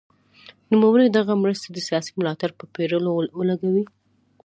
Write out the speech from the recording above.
نوموړي دغه مرستې د سیاسي ملاتړ په پېرلو ولګولې.